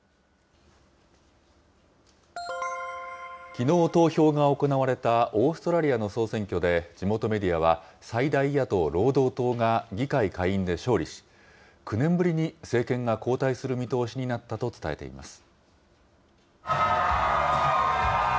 きのう、投票が行われたオーストラリアの総選挙で、地元メディアは、最大野党・労働党が議会下院で勝利し、９年ぶりに政権が交代する見通しになったと伝えています。